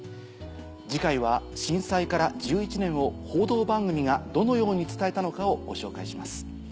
次回は震災から１１年を報道番組がどのように伝えたのかをご紹介します。